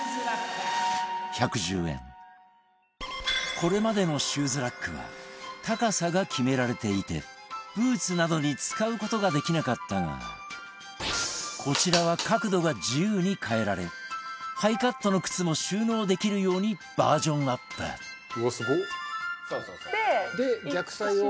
これまでのシューズラックは高さが決められていてブーツなどに使う事ができなかったがこちらは角度が自由に変えられハイカットの靴も収納できるようにバージョンアップで逆サイを。